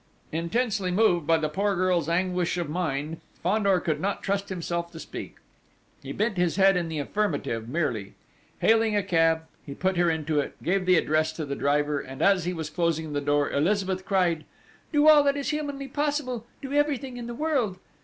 Intensely moved by the poor girl's anguish of mind, Fandor could not trust himself to speak. He bent his head in the affirmative merely. Hailing a cab, he put her into it, gave the address to the driver, and as he was closing the door Elizabeth cried: "Do all that is humanly possible do everything in the world!"